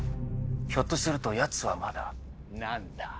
ひょっとするとやつはまだ。何だ？